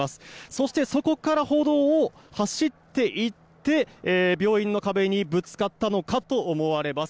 そしてそこから歩道を走っていって病院の壁にぶつかったのかと思われます。